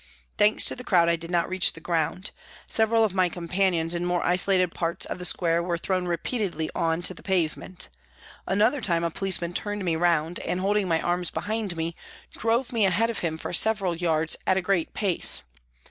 Thanks to the crowd I did not reach the ground ; several of my companions in more isolated parts of the square were thrown repeatedly on to the pavement. Another time a policeman turned me round and, holding my arms behind me, drove me ahead of him for several yards at a great pace.